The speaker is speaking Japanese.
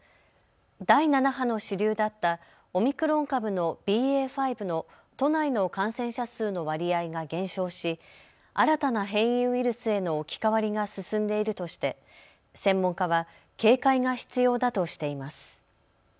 第７波の主流だったオミクロン株のＢＡ．５の都内の感染者数の割合が減少し新たな変異ウイルスへの置き換わりが進んでいるとして専門家は警戒が必要だとしています。